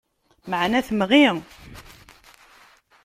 Meεna temɣi.